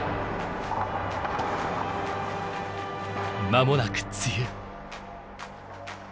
まもなく梅雨。